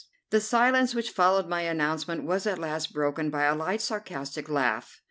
The silence which followed my announcement was at last broken by a light sarcastic laugh.